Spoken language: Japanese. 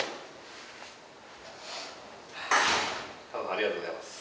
ありがとうございます。